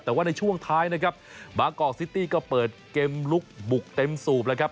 แต่ว่าในช่วงท้ายนะครับบางกอกซิตี้ก็เปิดเกมลุกบุกเต็มสูบแล้วครับ